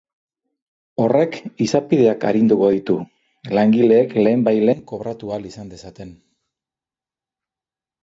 Horrek izapideak arinduko ditu, langileek lehenbailehen kobratu ahal izan dezaten.